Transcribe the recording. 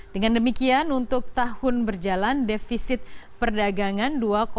dengan demikian untuk tahun berjalan defisit perdagangan